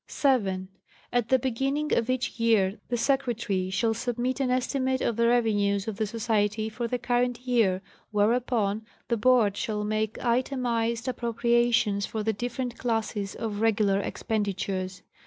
The —At the beginning of each year the Secretary shall submit an estimate of the revenues of the Society for the current year, whereupon, the Board shall make itemized appropriations for the different classes of regular expenditures.